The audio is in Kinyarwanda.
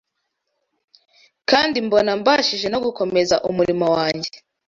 kandi mbona mbashije no gukomeza umurimo wanjye.